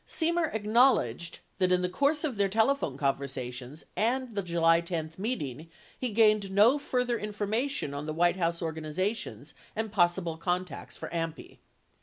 Semer acknowledged that in the course of their telephone conversations and the July 10 meeting, he gained no further information on the White House organization and possible contacts for AMPI.